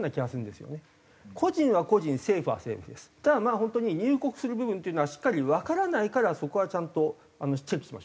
本当に入国する部分っていうのはしっかりわからないからそこはちゃんとチェックしましょう。